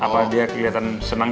oh dia kelihatan senang